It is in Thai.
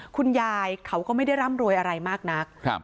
คุณยายเขาก็ไม่ได้ร่ำรวยอะไรมากนัก